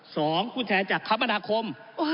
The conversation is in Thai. ผู้แทนจากคมนาคม